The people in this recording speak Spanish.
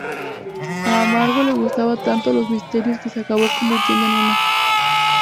A Margo le gustaban tanto los misterios que se acabó convirtiendo en uno.